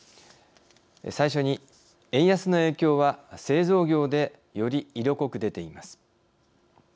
最初に円安の影響は製造業で、より色濃く出ています。